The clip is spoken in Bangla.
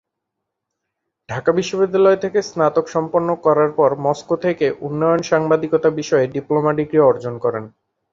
ঢাকা বিশ্বদ্যিালয় থেকে স্নাতক সম্পন্ন করার পর মস্কো থেকে উন্নয়ন সাংবাদিকতা বিষয়ে ডিপ্লোমা ডিগ্রি অর্জন করেন।